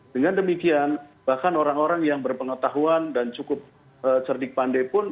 dengan demikian bahkan orang orang yang berpengetahuan dan cukup cerdik pandai pun